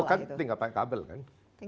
itu kan tinggal pakai kabel kan